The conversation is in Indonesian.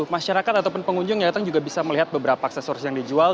masyarakat ataupun pengunjung yang datang juga bisa melihat beberapa aksesoris yang dijual